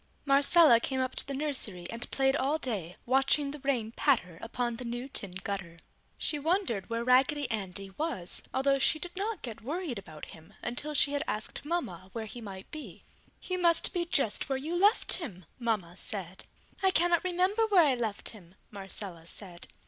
Marcella came up to the nursery and played all day, watching the rain patter upon the new tin gutter. She wondered where Raggedy Andy was, although she did not get worried about him until she had asked Mama where he might be. "He must be just where you left him!" Mama said. "I cannot remember where I left him!" Marcella said.